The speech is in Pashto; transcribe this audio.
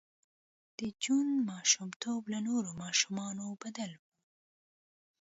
د جون ماشومتوب له نورو ماشومانو بدل و